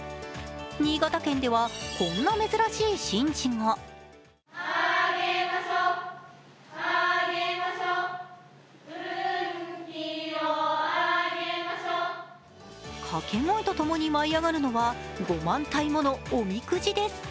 新潟県では、こんな珍しい神事も掛け声とともに舞い上がるのは５万体ものおみくじです。